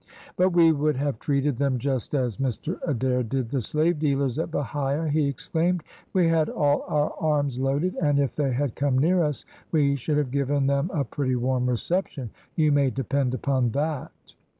"But we would have treated them just as Mr Adair did the slave dealers at Bahia," he exclaimed. "We had all our arms loaded, and if they had come near us, we should have given them a pretty warm reception, you may depend upon that."